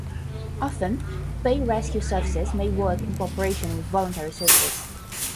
Often paid rescue services may work in co-operation with voluntary services.